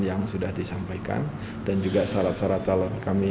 yang sudah disampaikan dan juga syarat syarat calon kami